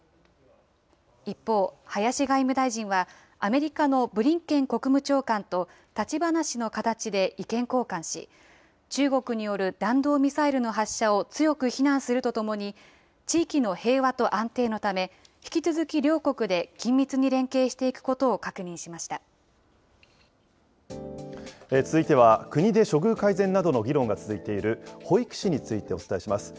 一方、林外務大臣は、アメリカのブリンケン国務長官と立ち話の形で意見交換し、中国による弾道ミサイルの発射を強く非難するとともに、地域の平和と安定のため、引き続き両国で緊密に連携していくことを確認し続いては、国で処遇改善などの議論が続いている保育士についてお伝えします。